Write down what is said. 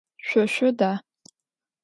Şso şsoda?